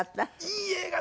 いい映画で。